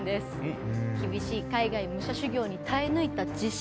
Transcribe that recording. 厳しい海外武者修行に耐え抜いた自信。